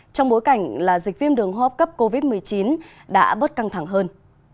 trong bối cảnh là dịch viêm đường hóp cấp covid một mươi chín đã bớt căng thẳng hơn